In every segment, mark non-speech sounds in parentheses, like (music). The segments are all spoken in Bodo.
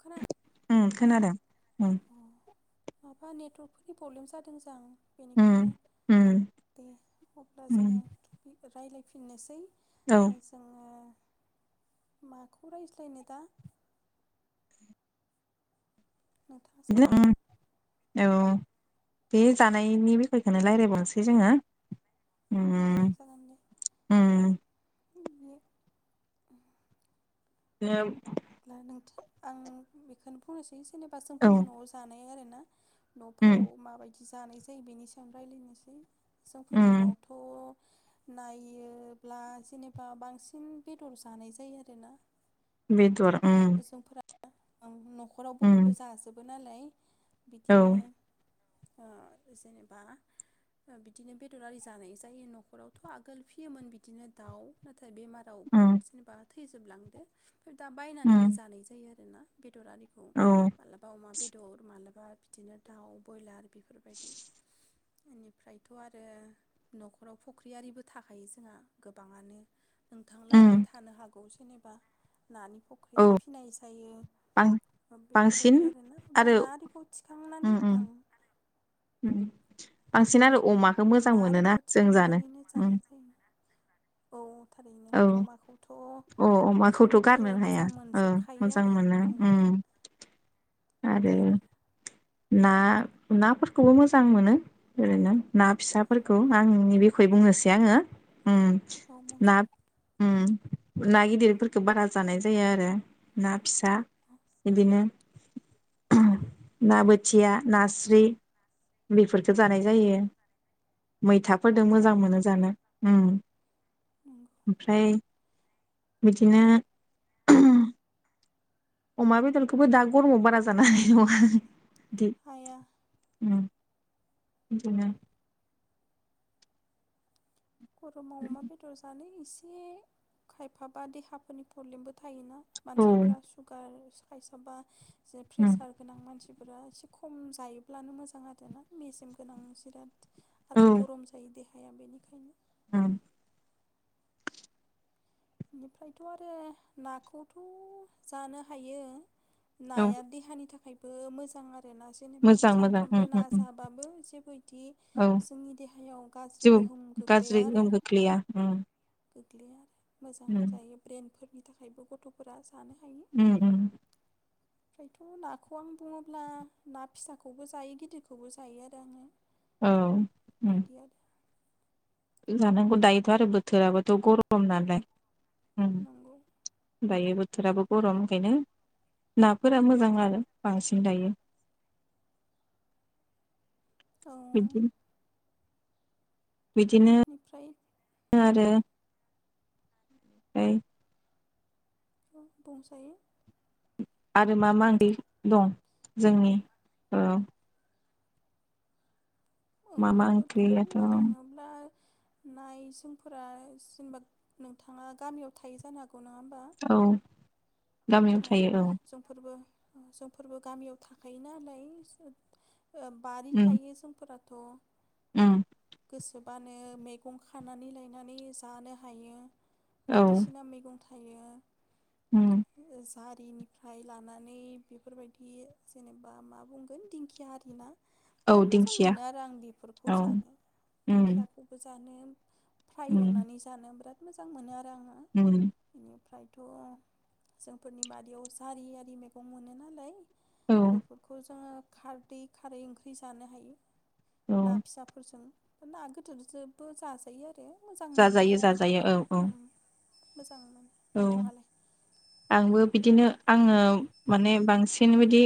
खोनादों उम औ खोनादों उम औ माबा नेटवारकफोरनि प्रब्लेम जादों जां बेनिखायनो उम उम दे अब्ला उम जोङो टपिक रायज्लायफिननोसै औ जोङो माखौ रायज्लायनो दा नोंथाङा बिदिनो सानदोना। उम औ बे जानायनि बिखयखौनो रायज्लायबावनोसै जोङो दे उम जागोन दे उम अब्ला (unintelligible) नोंथ आं बेखौनो बुंनोसै जेनेबा औ सोंफोरनि न'आव जानाय आरो न'फोराव उम माबायदि ज नाय जायो बेनि सायावनो रायज्लायनोसै जोंफोरनि उम न'आवथ' नायोब्ला जेनेबा बांसिन बेदर जानाय जायो आरोना। बेदर उम जोंफोरा ओं नख न'खराव उम बयबो जाजोबो नालाय औ बिदिनो ओ जेनेबा बिदिनो बेदरि जानाय जायो न'खरावथ' आगोल फियोमोन बिदिनो दाउ नाथाय नथाय बेमारावबो उम जेनबा थैजोबलांदो बेफोर दा बायनानै उम जानाय जायो आरोना बेदर आरिखौ औ मालाबा अमा बेदर माबलाबा बिदिनो दाउ बयलार बेफोरबायदि इनिफ्रायथ' आरो न'खराव फुख्रि आरिबो थाखायो जोंहा गोबाङानो। नोंथांलाबो उम थानो हागौ? जेनेबा नानि औ फुख्रि साइयो ओ बेफोर बां-बांसिन बायदि आरोना ब्ला आरो ना आरिखौ उम थिखांनानै उम ओं उम बांसिन आरो ओं अमाखौ मोजां ना मोनोना आरिखौ जों जानो थिखांनानैनो उम। जानाय जायो औ थारैनो औ अमाखौथ' अ अमाखौथ' जोंफोरो गारनो हाया मोजां ओ मोनजोबखायो मोजां आरो मोनो ओं उम आरो ना नाफोरखौबो मोजां मोनो ओरैनो। ना फिसाफोरखौ आंनि बे खै बुंनोसै आङो। उम औ मोनजायो ना‌‌ उम ना गिदिरफोरखो बारा जानाय जाया आरो ना फिसा बिदिनो ना बोथिया नास्रि बेफोरफोरखो जानाय जायो मैथा फोरदों औ मोजां मोनो जानो। उम नंगौ ओमफ्राय बिदिनो अमा बेदरखौबो दा गरमाव बारा जानो हानाय नंङा आं। दि हाया उम बिदिनो गर'माव अमा बेदर जा लै। एसे खायफा बा देहाफोरनि पब्लेमबो थायोना। औ मानसिफोरा सुगार खायसाबा जे उम प्रेसार गोनां मानसि फोरा एसे खम जायोब्लानो मोजां आरोना मेजेम गोनां जिराद औ आरो गरम जायो दे। हाया बेनिखायनो उम बेनिफ्रायथ' आरो नाखौथ' जानो हायो। औ नाया देहानि थाखाय। बो मोजां आरो। (unintelligible) जेनेबा मोजां मोजां उम सानफ्रामबो ना उम उम जाबाबो जेबोदि औ जोंनि देहायाव गाज्रि जेबो गोहोम गाज्रि गोग्लैया आरो। गोहोम खोख्लैया उम गोग्लैया आरो। मोजां उम जायो ब्रेनफोरनि। थाखायबो गथ'फोरा जानो हायो। उम उम। फायथ' नाखौ आं बुङोब्ला ना फिसाखौबो जायो गिदिरखौबो जायो आरो आङो। औ उम। बिदि जानांगौ दायोथ' आरो बोथोराबथ' गरम नालाय। नंगौ। थोराबो गरम ओंखायनो नाफोरा मोजां आरो बांसिन दायो। औ। बिदि बिदिनो बेनिफ्राय आरो (unintelligible) बु बुंंसाय आरो मा मा ओं दं जोंनि औ। मा मा ओंख्रिखौथ' ओंख्रियाथ' बुंनो थाङोब्ला नाय जोंफोरा जेनेबा नोंथाङा गामियाव थायो जानो हा ग नङा होमबा। औ गामियाव औ थायो जोंफोरबो जोंफोरबो गामियाव थाखायो नालाय। ओ बारि उम थायो जोंफोरा। थ'। उम। गोसोबानो मैगं खानानै लायनानै जानो हायो। औ बायदिसिना मैगं थाइ थायो। उम। जारिनिफ्राय लानानै बेफोरबायदि जेनेबा मा बुंगोन दिंखिया आरि ना औ बिराद मोजां दिंखिया मोनो आरो आं बेफोरखौ औ जानो उम दिंखियाखौबो जानो। फ्राय उम एवनानै जानो बिराद। मोजां मोनो आरो आं। उम फ्रायथ' जोंफोरनि बारियाव जारि आरि मैगं मोनो नालाय औ बेफोरखौ जोङो खारदै खारै ओंख्रि जानो हायो ना औ फिसाफोरजों ना गिदोरजोबो जाजायो आरो मोजां मोनो आरो जाजायो आङो जाजायो औ औ उम मोजां मोनो औ नोंथाङालाय आंबो बिदिनो आङो माने बांसिन बदि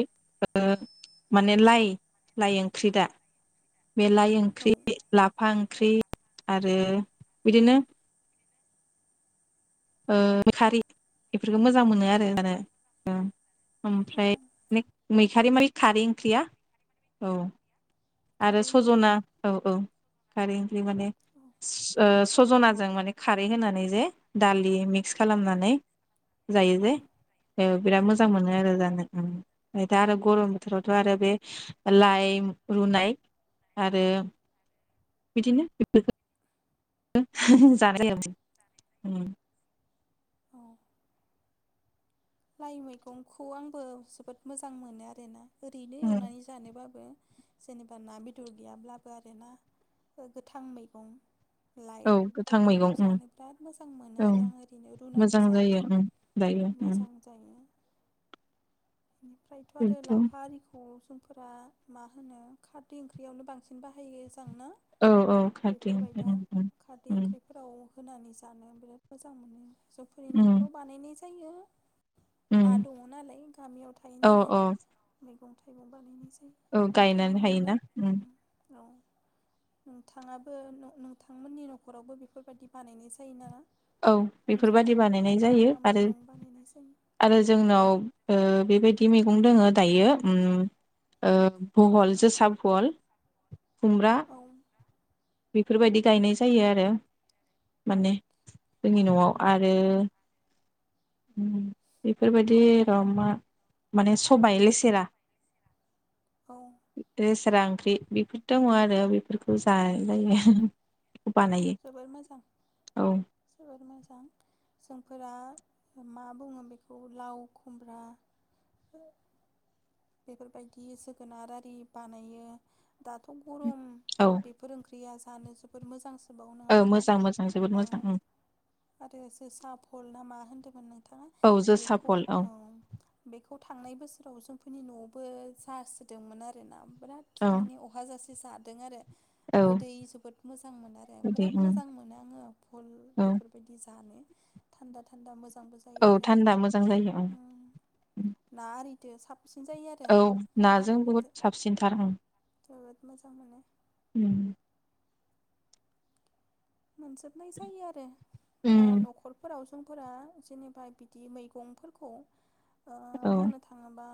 माने लाइ लाइ ओंख्रि दा बेलाइ औ ओंख्रि लाफा ओंख्रि आरो बिदिनो खारि बेफोरखौ मोजां मोनो आरो जानो औ ओमफ्राय मैखारि माय खारै ओंख्रिया औ आरो खारै ओंख्रि सजना औ औ खारै माने औ सजनाजों माने खारै होनानै जे दालि मिक्स खालामनानै जायो औ जे बिराद नंगौ मोजां मोनो आरो जानो ओमफ्राय दा आरो गरम बोथोरावथ' आरो बे लाइ रुनाय आरो बिदिनो बेफोरखौ जानाय ज (unintelligible) ओम औ लाइ मैगंखौ आंबो जोबोद मोजां मोनो आरोना ओरैनो एवनानै जानोबाबो जेनेबा ना बेदर गैयाब्लाबो आरोना गोथां मैगं लाइ औ गोथां बेखौ मैगं ओं जानो बिराद मोजां मोनो ओं आरो आं ओरैनो रुनानै मोजां जानो जायो ओं दायो ओं मोजां जायो बेनिफ्रायथ' आरो लाफा आरिखौ फोरा मा होनो खारदै ओंख्रियावनो बांसिन बाहायो जोंना औ औ खाथि बेफोरबाय दा खारदै ओंख्रिफोराव होनानै जानो बिराद मोजां मोनो जौफोरनि ओम न'खराव बानायनाय जायो हा ओम दङ नालाय गामियाव थायो औ नालाय औ मैगं थाइ थाइगं बानायनि औ गायनानै हायोना। औ नोंथाङाबो नोंथांमोननि न'खरावबो बेफोरबायदि बानायनाय जायो नामा? औ बेफोरबादि मोसागोन बानायनाय मा जायो मा आरो मैगं बानायना जायो आरो जोंनाव ओ बेबायदि मैगं दङ दायो भहल जोसा भहल खुमब्रा औ बेफोरबायदि गायनाय जायो आरो माने जोंनि न'आव आरो बेफोरबायदि र' मा माने सबाय लेसेरा औ लेसेरा ओंख्रि बेफोर दङ आरो बेफोरखौ जा (unintelligible) जोबोर मोजां जोबोर मोजां। फोर मा बुङो बेखौ लाव खुमब्रा बेफोरबायदि जोगोनार आरि बानायो। दाथ' गरम औ बेफोर ओंख्रिया जानो जोबोर मोजांसो औ नङा होनबा मोजां मोजां जोबोद औ मोजां आरो एसे साफल ना मा होनो ओनदै फोरनो औ जोसा बेखौ फल औ उम बेखौ थांनाय बोसोराव जों नआवबो जासोदोंमोन आरोना। बिराद औ माने अहाजासे जादों आरो। औ गोदै जोबोद मोजां मोनो आरो बिदि बिराद मोजां मोनो आङो भहलनि औ बेफोरबायदि जानो थान्दा थान्दा मोजां जायो औ आरो ना थान्दा मोजां जायो औ आरि दै साब साबसिन जायो औ नाजों बुहुद साबसिनथार उम। जोबोद मोजां मोनो। उम। मोनजोबनाय जायो आरो। ओ उम नख'रफोराव सुंबुंफोरा जेनेबा बिदि मैगंफोरखौ ओ औ बुंनो थाङोबा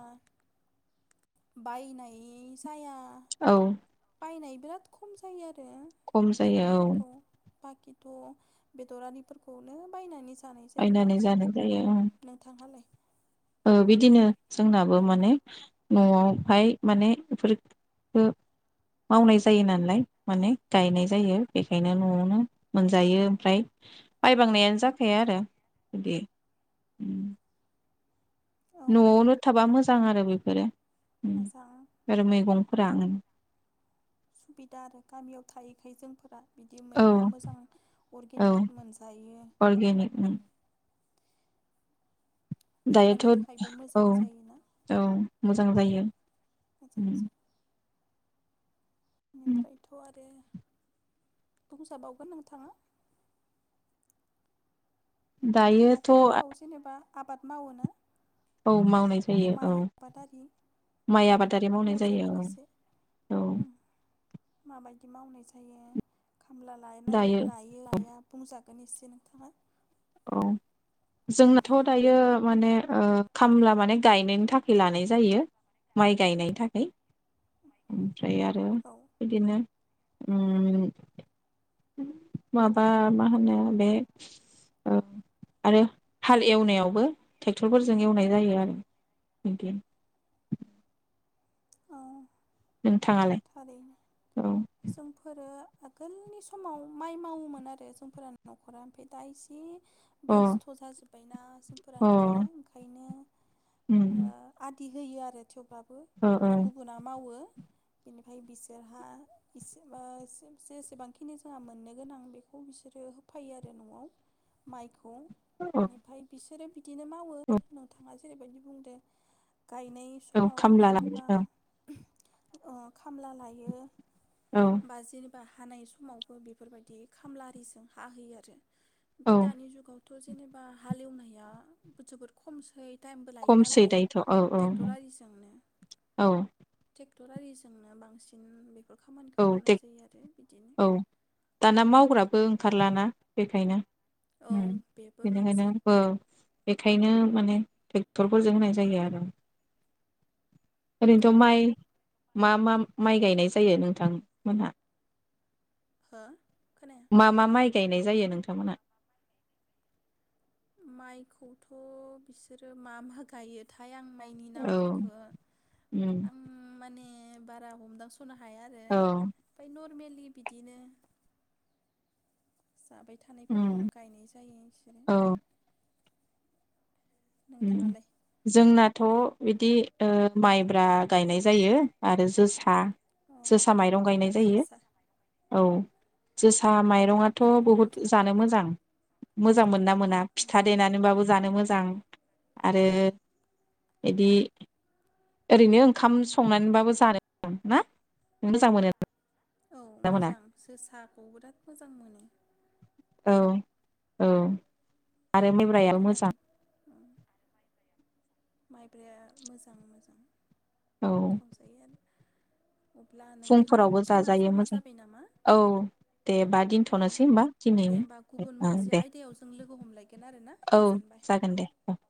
बायनाय जाया औ। बायनाय बिराद खम जायो आरो ओ खम जायो औ मैगंफोरखौ बाखिथ बेदरारिफोरखौनो बायनानैसो थानाय जायो बायनानै बांसिन जानाय जायो ओं नोंथांहालाय ओ बिदिनो जोंनाबो माने नआवहाय माने बेफोरखो मावनाय जायो नालाय माने गायनाय जायो बेखायनो नआवनो मोनजायो ओमफ्राय बायबांनायानो जाखाया आरो बिदि औ नआवनो थाबा मोजां आरो बेफोरो मोजां आरो मैगंफोरा अम सुबिदा आरो गामियाव थायैखाय जोंफोरा बिदि औ मैगं मोजां औ अरगेनिक मोनजायो अर्गेनिक दायोथ' देहानि थाखायबो औ मोजां जायोना औ मोजां जायो मोजां जायो बेनिफ्रायथ' आरो बंजाबावगोन नोंथाङा दायोथ' न'खरफोराव जेनेबा आबाद मावोनो औ मावनाय जायो औ माय आबादारि माइ आबादारि मावनाय जायो फोरमायजागोन औ एसे औ माबायदि मावनाय जायो खामला लानाय दायो लायो लाया बुंजा नि एसे नोंथाङा औ जोंनाथ' दायो माने ओ खामला माने गायनायनि थाखाय लानाय जायो माइ गायनायनि थाखाय फ्राय आरो औ बिदिनो (unintelligible) माबा मा होनो बे ओ आरो हाल एवनायावबो ट्रेक्टरफोरजों एवनाय जायो आरो बिदि औ नोंथाङालाय थारैनो औ जोंफोरो आगोलनि समाव माइ मावोमोन आरो जोंफोर न'खरा ओमफ्राय दा इसे अ बेस्थ' जाजोबबायना जोंफोरा अ न'खरा ओंखायनो उम ओ बिदि होयो आरो थेवबा ओ ओ अम गुबुना मावो बिनिफ्राय बिसोरहा एसे ओ जेसेबांखिनि जोंहा मोननो गोनां बेखौ बिसोरो होफायो आरो न'आव मायखौ औ बेनिफ्राय बिसोरो बि बिदिनो मावो नोंथाङा जेरैबायदि बुंदो गायनाय औ समाव खामला लानानै जेनेबा औ औ खामला लायो। औ बाजिनो बा हानाय समावबो बेफोरबायदि खामला आरिजों हाहोयो आरो औ ओमफ्राय दानि जुगावथ' जेनेबा हालेवनाय या जोबोर खमसै टाइमबो लायो खमसै नालाय दायोथ' औ औ ट्रेक्टर आरिजोंनो औ ट्रेक्टर आरिजोंनो बांसिन खामानिखौ औे मावनाय टेक जायो आरो बिदिनो औ दाना मावग्राबो ओंखारलाना बेखायनो औ होम बेबो बेनिखायनो मोनसे आंबो बेखायनो माने ट्रेक्टरफोरजों होनाय जायो आरो ओरैनोथ' नंगौ माइ मा मा माइ गायनाय जायो नों- बिथां मोनहा हो खोनाया मा मा माइ गायनाय जायो नोंथांमोनहा। माइखौथ' बिसोरो मा मा गायोथाय आं माइनि औ नामफोरखो उम आं माने बारा हमदांस' औ फेमेलि बिदिनो जाबाय उम थानायफोरखौनो गायनाय जायो बिसोरो औ उम नोंथाङालाय जोंना थ' बिदि ओ माइब्रा गायनाय जायो आरो जोसा औ जोसा माइरं गायनाय जायो। जोसा औ जोसा माइ मायरंआथ' जोबोद बहुत मोजां जानो मोजां मोजां मोनो ना मोना फिथा देनानैबाबो जानो मोजां आरो बिदि ओरैनो ओंखाम संनानैबाबो जानो मोजां ना नों मोजां मोनो। औ ना मोना मोजां जोसाखौ बिराद मोजां मोनो। औ औ आरो मेब्रायाबो मोजां खोनादों माइब्राया मोजां मोजां औ गोथाव जायो आरो अब्ला नोंथां फुंफोरावबो जोंना जाजायो समा मोजां जाबाय नामा औ दे बा दा औ दिनथ'नोसै होमबा दिनै दे होमबा गुबुन ओं मोनसे दे आयदायाव जों लोगो हमलायगोन आरोना औ गोजोनबाय जागोन दे उम